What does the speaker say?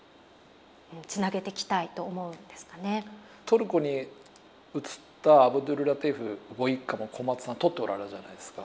トルコに移ったアブドュルラティーフご一家も小松さん撮っておられるじゃないですか。